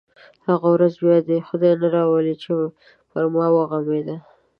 هغه ورځ بیا دې یې خدای نه راولي پر ما وغمېده.